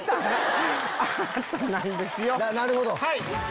なるほど！